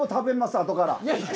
あとから。